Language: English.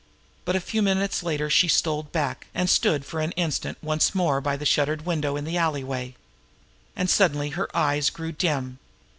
But a few moments later she stole back, and stood for an instant once more by the shuttered window in the alleyway. And suddenly her eyes grew dim.